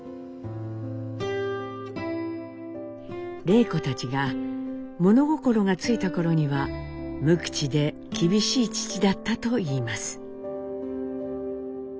礼子たちが物心がついた頃には無口で厳しい父だったといいます。